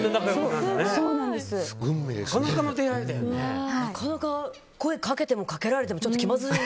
なかなか声かけてもかけられてもちょっと気まずい。